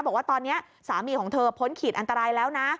บอกว่าตอนนี้สามีของเธอพ้นขีดอันตรายแล้วนะ